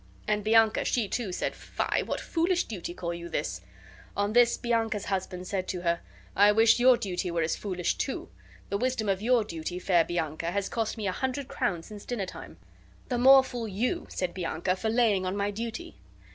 And Bianca, she, too, said, "Fie! What foolish duty call you this?" On this Bianca's husband said to her, "I wish your duty were as foolish, too! The wisdom of your duty, fair Bianca, has cost me a hundred crowns since dinner time." "The more fool you," said Bianca, "for laying on my duty."